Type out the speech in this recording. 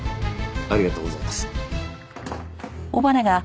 ありがとうございます。